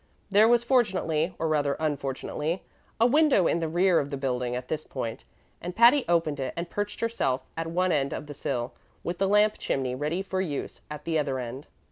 There was fortunately or rather unfortunately a window in the rear of the building at this point, and Patty opened it and perched herself at one end of the sill, with the lamp chimney ready for use at the other end.